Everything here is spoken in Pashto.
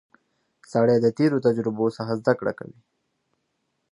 سړی د تېرو تجربو څخه زده کړه کوي